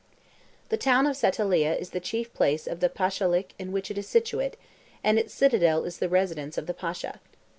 The town of Satalieh is the chief place of the Pashalic in which it is situate, and its citadel is the residence of the Pasha.